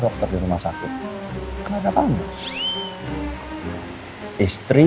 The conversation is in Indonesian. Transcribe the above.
dokter dari rumah sakit sama kamu